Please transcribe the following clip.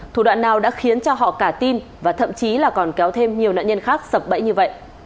thủ đoạn nào đã khiến cho họ cả tin và thậm chí là còn kéo thêm nhiều nạn nhân khác sập bẫy như vậy